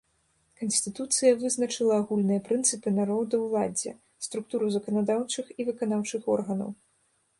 Канстытуцыя вызначыла агульныя прынцыпы народаўладдзя, структуру заканадаўчых і выканаўчых органаў.